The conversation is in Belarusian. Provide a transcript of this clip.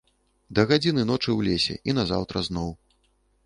Да гадзіны ночы ў лесе, і назаўтра зноў.